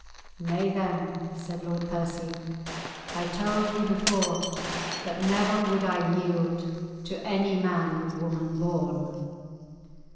"Nay, then," said Lord Percy. "I told thee before that never would I yield to any man of woman born."